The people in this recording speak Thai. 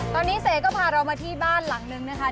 ตอนนี้เสกก็พาเรามาที่บ้านหลังนึงนะคะ